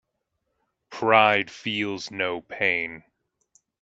Pride feels no pain.